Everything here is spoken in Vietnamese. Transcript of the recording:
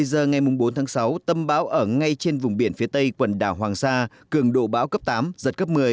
một mươi h ngày mùng bốn tháng sáu tâm báo ở ngay trên vùng biển phía tây quần đảo hoàng sa cường độ báo cấp tám giật cấp một mươi